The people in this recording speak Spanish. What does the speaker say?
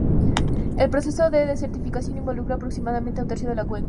El proceso de desertificación involucra aproximadamente a un tercio de la cuenca.